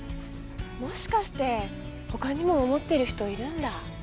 もしかしてほかにも思ってる人いるんだ。